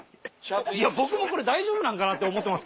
いや僕もこれ大丈夫なのかな？って思ってますけど。